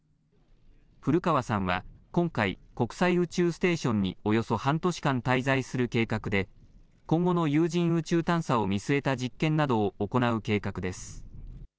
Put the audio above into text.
古川さんは今回、国際宇宙ステーションにおよそ半年間滞在する計画で、今後の有人宇宙探査を見据えた実験などを行う計画です。